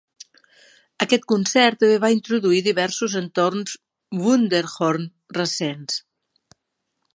Aquest concert també va introduir diversos entorns "Wunderhorn" recents.